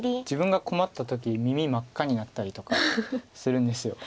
自分が困った時耳真っ赤になったりとかするんです。